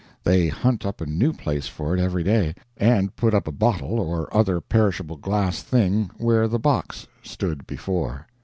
They hunt up a new place for it every day, and put up a bottle, or other perishable glass thing, where the box stood before.